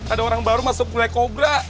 ada orang baru masuk mulai kobra